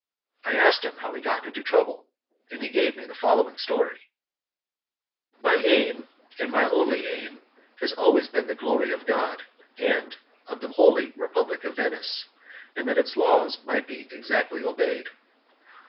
I asked him how he got into trouble, and he told me the following story: "My aim and my only aim has always been the glory of God, and of the holy Republic of Venice, and that its laws may be exactly obeyed.